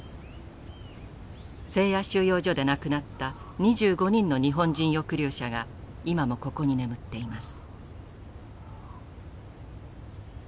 セーヤ収容所で亡くなった２５人の日本人抑留者が今もここに眠っています。